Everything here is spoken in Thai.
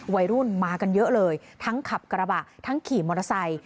วัยรุ่นมากันเยอะเลยทั้งขับกระบะทั้งขี่มอเตอร์ไซค์